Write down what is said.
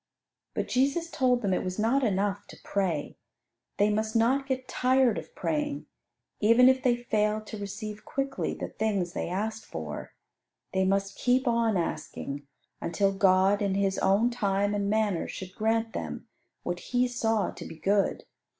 But Jesus told them it was not enough to pray: they must not get tired of praying, even if they failed to receive quickly the things they asked for. They must keep on asking, until God in His own time and manner should grant them what He saw to be good.